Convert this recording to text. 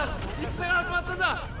戦が始まったんだ！